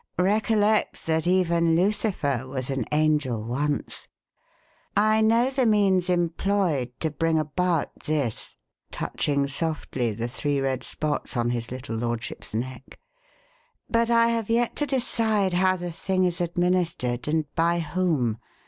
Recollect that even Lucifer was an angel once. I know the means employed to bring about this" touching softly the three red spots on his little lordship's neck "but I have yet to decide how the thing is administered and by whom.